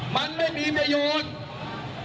มันไม่มีประโยชน์